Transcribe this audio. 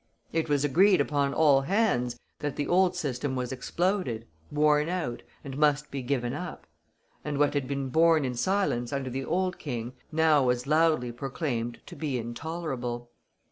It was agreed upon all hands that the old system was exploded, worn out, and must be given up; and what had been borne in silence under the old King now was loudly proclaimed to be intolerable.